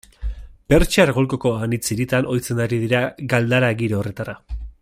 Pertsiar Golkoko anitz hiritan ohitzen ari dira galdara giro horretara.